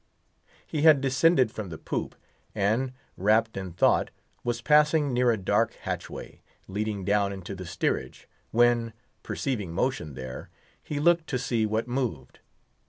He had descended from the poop, and, wrapped in thought, was passing near a dark hatchway, leading down into the steerage, when, perceiving motion there, he looked to see what moved.